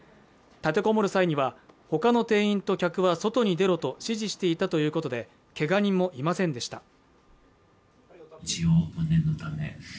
立てこもる際には他の店員と客は外に出ろと指示していたということでけが人もいませんでした。